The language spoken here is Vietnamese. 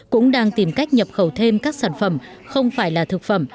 cũng đang tìm cách nhập khẩu thêm các sản phẩm không phải là thực phẩm